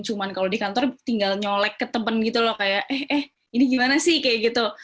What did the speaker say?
cuma kalau di kantor tinggal nyolek ke temen gitu loh kayak eh eh ini gimana sih kayak gitu